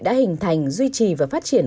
đã hình thành duy trì và phát triển